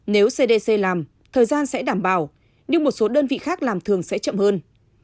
nếu cdc làm thời gian sẽ đảm bảo nhưng một số đơn vị khác làm thường sẽ chậm hơn